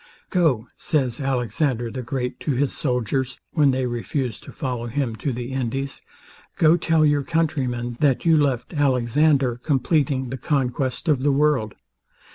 Go, says Alexander the Great to his soldiers, when they refused to follow him to the Indies, go tell your countrymen, that you left Alexander corn pleating the conquest of the world.